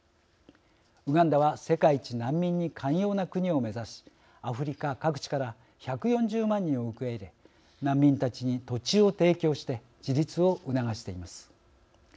ウガンダは世界一難民に寛容な国を目指しアフリカ各地から１４０万人を受け入れ難民たちに土地を提供して自立を促しています。